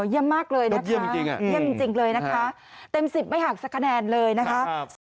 เยี่ยมมากเลยนะคะเยี่ยมจริงเลยนะคะเต็ม๑๐ไม่หักสักคะแนนเลยนะคะ